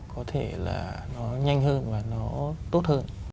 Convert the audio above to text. có thể là nó nhanh hơn và nó tốt hơn